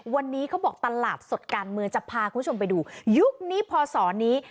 วันนี้เขาบอกตลาดสดการเมืองจะพาคุณผู้ชมไปดูยุคนี้พอสอนี้